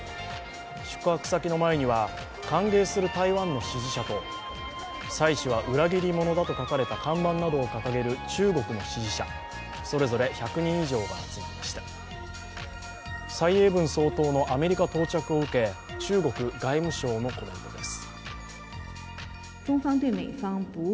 宿泊先の前には歓迎する台湾の支持者と蔡氏は裏切り者だと書かれた看板などを掲げる中国の支持者それぞれ１００人以上が集まりました蔡英文総統のアメリカ到着を受け、中国外務省のコメントです。